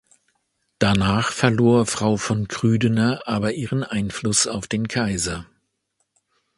Danach verlor Frau von Krüdener aber ihren Einfluss auf den Kaiser.